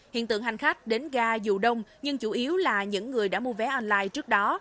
hiện tượng hành khách đến ga dù đông nhưng chủ yếu là những người đã mua vé online trước đó